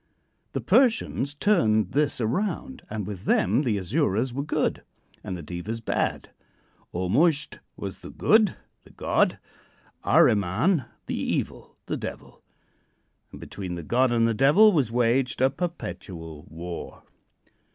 The Persians turned this around, and with them the Asuras were good and the Devas bad. Ormuzd was the good the god Ahriman the evil the devil and between the god and the devil was waged a perpetual war.